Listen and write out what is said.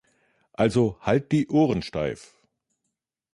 Also, halt die Ohren steif!